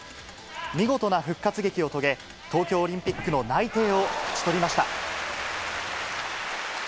見事な復活劇を遂げ、東京オリンピックの内定を勝ち取りました。